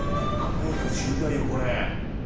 早く知りたいよこれ。